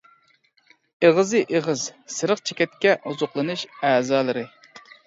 ئېغىزى ئېغىز: سېرىق چېكەتكە ئوزۇقلىنىش ئەزالىرى.